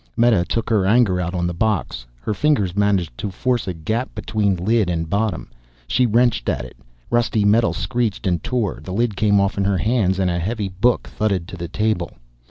Meta took her anger out on the box. Her fingers managed to force a gap between lid and bottom. She wrenched at it. Rusty metal screeched and tore. The lid came off in her hands and a heavy book thudded to the table.